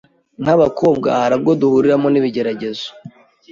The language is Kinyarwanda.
nk’ abakobwa hari ubwo duhuriramo n’ ibigeragezo